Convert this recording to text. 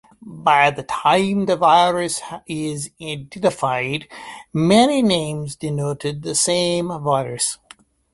By the time the virus is identified, many names denote the same virus.